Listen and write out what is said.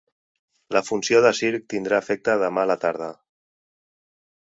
La funció de circ tindrà efecte demà la tarda.